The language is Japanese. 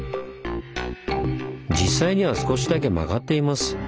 実際には少しだけ曲がっています。